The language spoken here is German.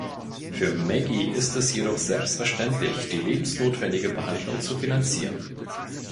Für Maggie ist es jedoch selbstverständlich, die lebensnotwendige Behandlung zu finanzieren.